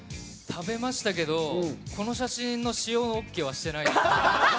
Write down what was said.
食べましたけどこの写真の使用はオーケーしてない。